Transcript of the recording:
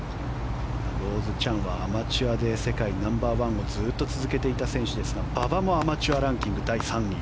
ローズ・チャンはアマチュアで世界ナンバー１をずっと続けていた選手ですが馬場もアマチュアランキング第３位。